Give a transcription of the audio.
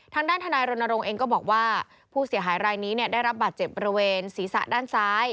ทางด้านทนายรณรงค์เองก็บอกว่าผู้เสียหายรายนี้ได้รับบาดเจ็บบริเวณศีรษะด้านซ้าย